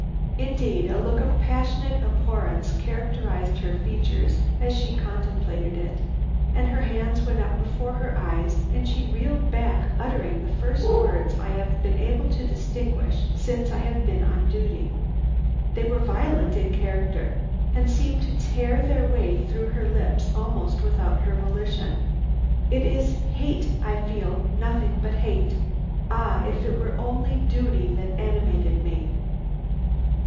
Indeed, a look of passionate abhorrence characterized her features as she contemplated it, and her hands went up before her eyes and she reeled back uttering the first words I have been able to distinguish since I have been on duty. They were violent in character, and seemed to tear their way through her lips almost without her volition. 'It is hate I feel, nothing but hate. Ah, if it were only duty that animated me!'